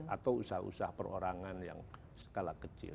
atau usaha usaha perorangan yang skala kecil